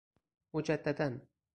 مجدداً